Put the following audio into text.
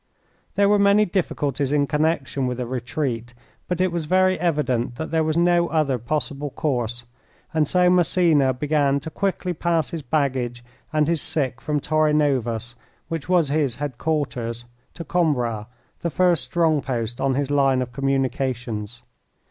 There were many difficulties in connection with a retreat, but it was very evident that there was no other possible course, and so Massena began to quickly pass his baggage and his sick from Torres Novas, which was his headquarters, to Coimbra, the first strong post on his line of communications.